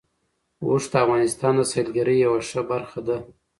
اوښ د افغانستان د سیلګرۍ یوه ښه برخه ده.